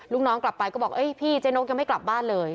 ลูกน้องกลับไปก็บอกเอ้ยพี่เจ๊นกยังไม่กลับบ้านเลย